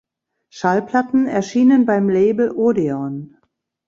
Schallplatten erschienen beim Label Odeon.